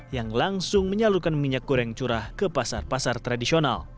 yang langsung menyalurkan minyak goreng curah ke pasar pasar tradisional